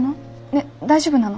ねえ大丈夫なの？